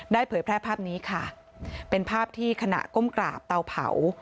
เผยแพร่ภาพนี้ค่ะเป็นภาพที่ขณะก้มกราบเตาเผา